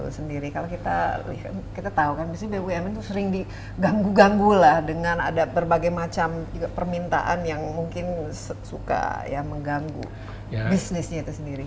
sendiri kalau kita tahu kan biasanya bumn itu sering diganggu ganggu lah dengan ada berbagai macam permintaan yang mungkin suka ya mengganggu bisnisnya itu sendiri